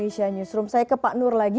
saya ke pak nur lagi